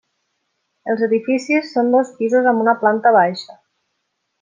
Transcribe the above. Els edificis són dos pisos amb una planta baixa.